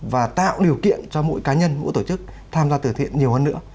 và tạo điều kiện cho mỗi cá nhân mỗi tổ chức tham gia tử thiện nhiều hơn nữa